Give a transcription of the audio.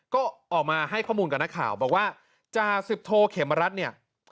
ก็ออกมาให้ข้อมูลกับนักข่าวบอกว่าจาสิบโทเขมรัฐเนี่ย